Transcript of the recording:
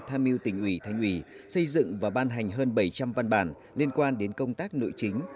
tham mưu tỉnh ủy thành ủy xây dựng và ban hành hơn bảy trăm linh văn bản liên quan đến công tác nội chính